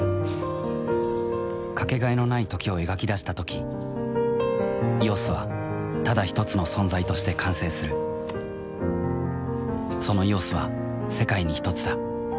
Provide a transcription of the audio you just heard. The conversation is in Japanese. かけがえのない「時」を描き出したとき「ＥＯＳ」はただひとつの存在として完成するその「ＥＯＳ」は世界にひとつだ